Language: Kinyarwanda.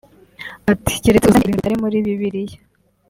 Ati “Keretse uzanye ibintu bitari muri bibiliya